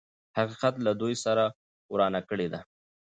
حقيقت له دوی سره ورانه کړې ده.